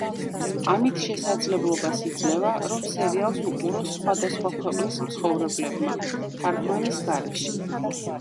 ამით შესაძლებლობას იძლევა, რომ სერიალს უყუროს სხვადასხვა ქვეყნის მცხოვრებლებმა თარგმანის გარეშე.